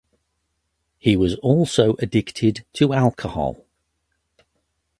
He was also addicted to alcohol.